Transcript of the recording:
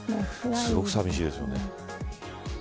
すごく寂しいですよね。